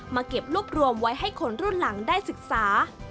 เก็บรวบรวมไว้ให้คนรุ่นหลังได้ศึกษา